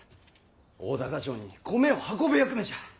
大高城に米を運ぶ役目じゃ！